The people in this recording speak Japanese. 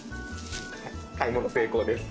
買い物成功です。